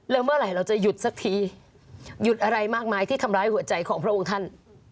แล้วเมื่อไหร่เราจะหยุดสักทีหยุดอะไรมากมายที่ทำร้ายหัวใจของพระองค์ท่าน